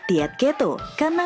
dia juga bisa mencoba